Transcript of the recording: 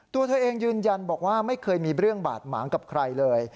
ตัวเธอเองยืนยันบอกว่าไม่เคยมีเรื่องบาดหมางกับใครเลย